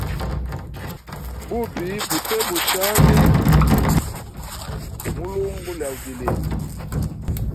Bubi bute bushali mulungu lya vilye.